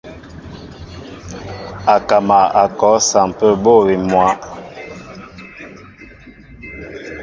Akama a kɔ a sampə bô awim myǎ.